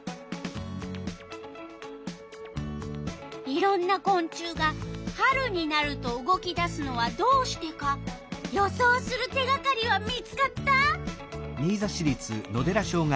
いろんなこん虫が春になると動き出すのはどうしてか予想する手がかりは見つかった？